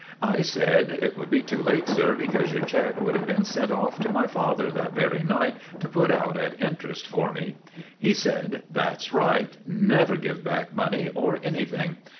"I said, 'It would be too late, sir, because your check would have been sent off to my father that very night, to put out at interest for me.' He said, 'That's right. Never give back money, or anything.